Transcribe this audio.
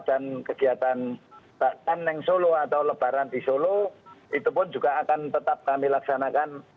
dan kegiatan taneng solo atau lebaran di solo itu pun juga akan tetap kami laksanakan